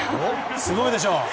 すごいでしょ？